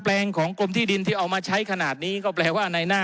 ลงของกรมที่ดินที่เอามาใช้ขนาดนี้ก็แปลว่าในหน้า